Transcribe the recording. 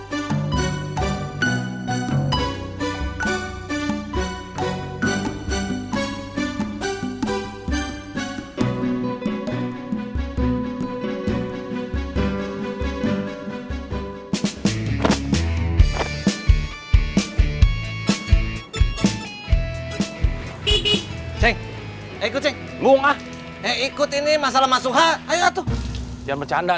hai pipih ceng ikut ceng bunga ikut ini masalah masuk hal itu jangan bercanda